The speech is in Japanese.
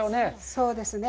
そうですね。